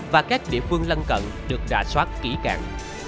và các địa phương lân cận được rà soát kỹ càng